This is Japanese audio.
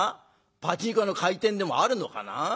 パチンコ屋の開店でもあるのかな？